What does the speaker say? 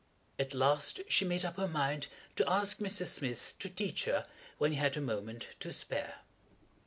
At last she made up her mind to ask Mr. Smith to teach her when he had a moment to spare.